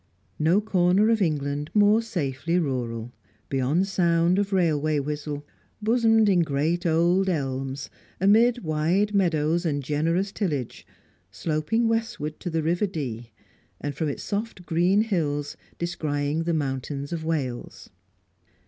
No corner of England more safely rural; beyond sound of railway whistle, bosomed in great old elms, amid wide meadows and generous tillage; sloping westward to the river Dee, and from its soft green hills descrying the mountains of Wales.